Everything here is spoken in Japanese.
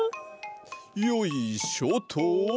よいしょと！